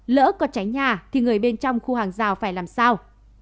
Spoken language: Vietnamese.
lỡ có cháy nhà thì người bên trong khu hàng rào phải làm sao